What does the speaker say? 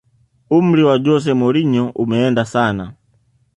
umri wa jose mourinho umeenda sana